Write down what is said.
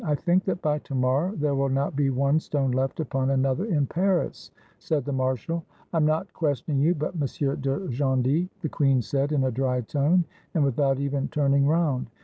"I think that by to morrow there will not be one stone left upon another in Paris," said the marshal. "I am not questioning you, but M. de Gondy," the queen said in a dry tone, and without even turning round.